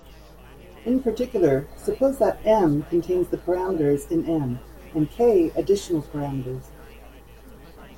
In particular, suppose that "M" contains the parameters in "M", and "k" additional parameters.